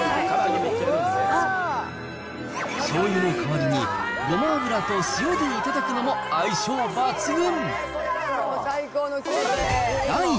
しょうゆの代わりに、ごま油と塩で頂くのも相性抜群。